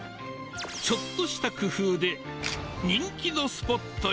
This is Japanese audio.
ちょっとした工夫で人気のス